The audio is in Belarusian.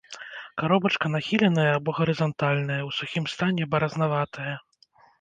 Каробачка нахіленая або гарызантальная, у сухім стане баразнаватая.